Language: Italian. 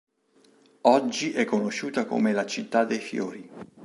Oggi è conosciuta come la città dei fiori.